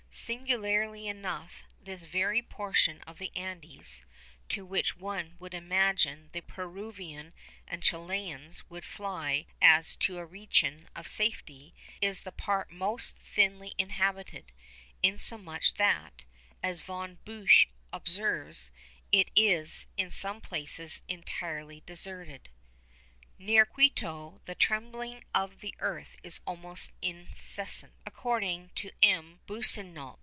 Singularly enough, this very portion of the Andes, to which one would imagine the Peruvians and Chilians would fly as to a region of safety, is the part most thinly inhabited, insomuch that, as Von Buch observes, it is in some places entirely deserted. Near Quito the trembling of the earth is almost incessant, according to M. Boussingault.